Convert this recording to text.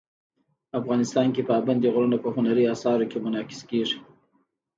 افغانستان کې پابندي غرونه په هنري اثارو کې منعکس کېږي.